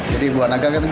jadi buah naga kita gak